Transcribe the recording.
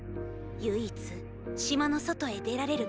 唯一島の外へ出られる機会。